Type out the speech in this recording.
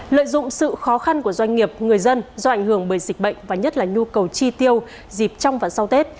lợi dụng sự khó khăn của doanh nghiệp người dân do ảnh hưởng bởi dịch bệnh và nhất là nhu cầu chi tiêu dịp trong và sau tết